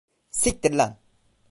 Siktir lan!